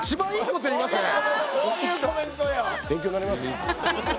こういうコメントよ。